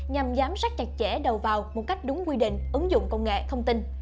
nhằm giám sát chặt chẽ đầu vào một cách đúng quy định ứng dụng công nghệ thông tin